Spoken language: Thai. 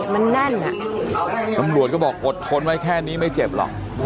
มันแน่นอ่ะตำรวจก็บอกอดทนไว้แค่นี้ไม่เจ็บหรอก